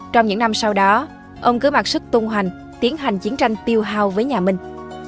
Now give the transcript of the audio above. trong những năm sau đó ông cứ mặc sức tung hành tiến hành chiến tranh tiêu hào với nhà minh